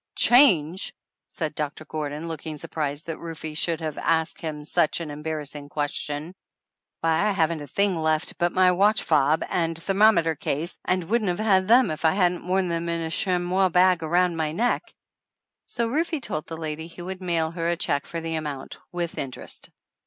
"Change!" said Doctor Gordon, looking sur prised that Rufe should have asked him such an embarrassing question. "Why, I haven't a thing left but my watch fob and thermometer case and wouldn't have had them if I hadn't worn them in a chamois bag around my neck !" So Rufe told the lady he would mail her a check for the amount with interest.